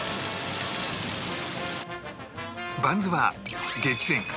バンズは激戦区